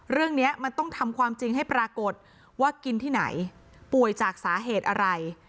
เรื่องนี้มันต้องทำความจริงให้ปรากฏว่ากินที่ไหนป่วยจากสาเหตุอะไร